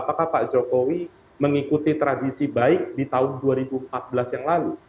pada saat saat ini pak jokowi mengikuti tradisi baik di tahun dua ribu empat belas yang lalu